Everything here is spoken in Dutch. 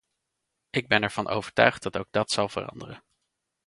Ik ben ervan overtuigd dat ook dat zal veranderen.